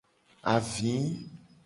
Avi.